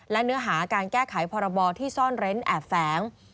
และเนื้อหาการแก้ไขพรบที่ซ่อนเร้นแอบแฝง